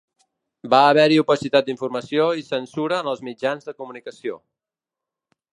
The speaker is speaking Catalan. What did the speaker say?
Va haver-hi opacitat d’informació i censura en els mitjans de comunicació.